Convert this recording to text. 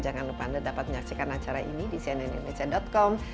jangan lupa anda dapat menyaksikan acara ini di cnnindonesia com